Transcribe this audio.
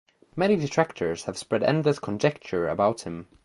Many detractors have spread endless conjecture about him.